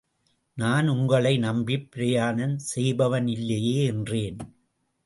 நான் உங்களை நம்பிப் பிரயாணம் செய்பவனில்லையே என்றேன்.